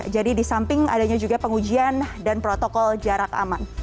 jadi di samping adanya juga pengujian dan protokol jarak aman